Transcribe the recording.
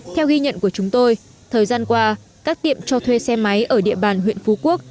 theo ghi nhận của chúng tôi thời gian qua các tiệm cho thuê xe máy ở địa bàn huyện phú quốc